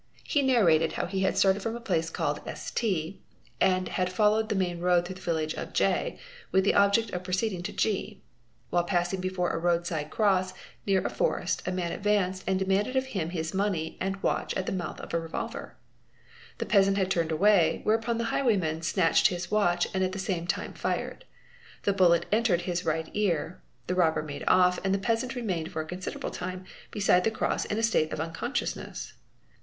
He narrated how he had started from a place calle and had followed the main road through the village of J with the objec | of proceeding to G. While passing before a road side cross, near a in . e a man advanced and demanded of him his money and watch at mouth of a revolver. r The peasant had turned away, whereupon the highwayman snatche od his watch and at the same time fired. The bullet entered his right ee | the robber made off, and the peasant remained for a considerable tim TORN PAPER AT7 besides the cross in a state of unconsciousness.